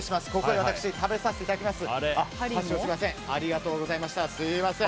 では食べさせていただきます。